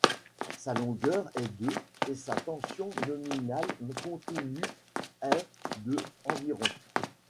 Sa longueur est de et sa tension nominale continue est de environ.